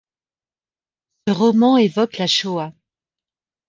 Ce roman évoque la Shoah.